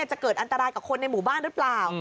จะเกิดอันตรายกับคนในหมู่บ้านหรือเปล่า